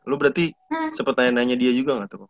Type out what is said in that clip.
lu berarti sempet nanya nanya dia juga gak tuh